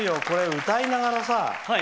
これ歌いながらさ。